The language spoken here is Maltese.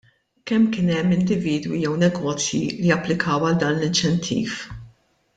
Kemm kien hemm individwi jew negozji li applikaw għal dan l-inċentiv?